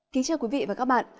kính chào quý vị và các bạn